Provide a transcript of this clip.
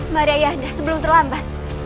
mari ayah dah sebelum terlambat